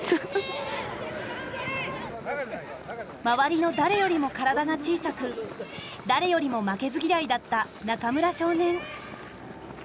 周りの誰よりも体が小さく誰よりも負けず嫌いだった中村少年。